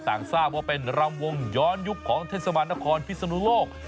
ทราบว่าเป็นรำวงย้อนยุคของเทศบาลนครพิศนุโลก